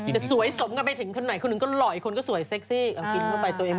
จะสวยสมกันไปถึงขนาดไหน